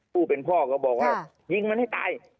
ผู้เป็นพ่อก็บอกว่ายิงมันให้ตาย